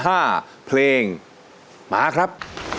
ยกที่๕เพลงมาครับ